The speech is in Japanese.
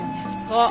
そう。